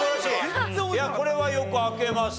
これはよく開けました。